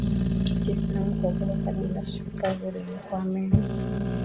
Kiislamu Kuwepo kwa kabila shupavu lenye kuamini